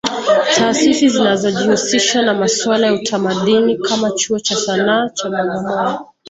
Taasisi zinazojihusisha na masuala ya utamadini kama Chuo cha Sana cha Bagamoyo